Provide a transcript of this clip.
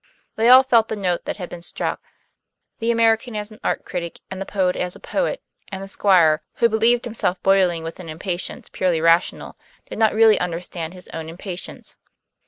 They all felt the note that had been struck the American as an art critic and the poet as a poet; and the Squire, who believed himself boiling with an impatience purely rational, did not really understand his own impatience.